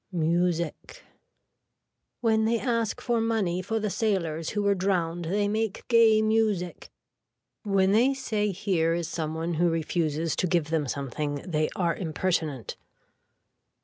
Music. When they ask for money for the sailors who were drowned they make gay music. When they say here is some one who refuses to give them something they are impertinent.